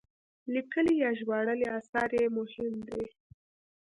لیکلي یا ژباړلي اثار یې مهم دي.